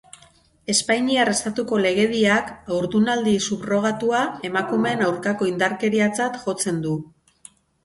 Espainiar estatuko legediak Haurdunaldi subrogatua emakumeen aurkako indarkeriatzat jotzen du.